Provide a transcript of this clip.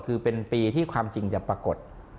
คือเป็นปีที่ความจริงจะปรากฏ